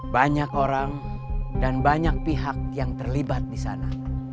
banyak orang dan banyak pihak yang terlibat di sana